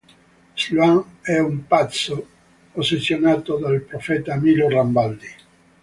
Sloane è un pazzo ossessionato dal profeta Milo Rambaldi.